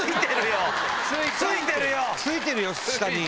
ついてるよ下に。